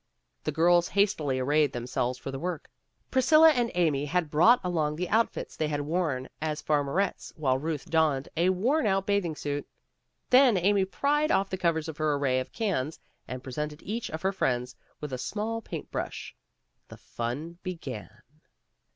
The girls hastily arrayed themselves for the work. Priscilla and Amy had brought along the outfits they had worn as farmerettes, while Ruth donned a worn out bathing suit. Then Amy pried off the covers of her array of cans, and presented each of her friends with a small paintbrush. The fun began.